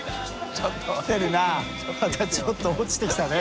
またちょっと落ちてきたね